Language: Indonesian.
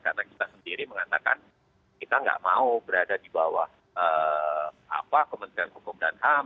karena kita sendiri mengatakan kita nggak mau berada di bawah kementerian hukum dan ham